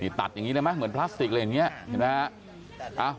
นี่ตัดอย่างนี้เลยไหมเหมือนพลาสติกเลยอย่างนี้